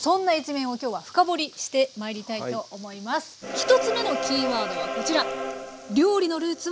１つ目のキーワードはこちら。